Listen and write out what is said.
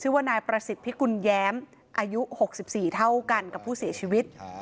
ว่านายประสิทธิพิกุลแย้มอายุ๖๔เท่ากันกับผู้เสียชีวิต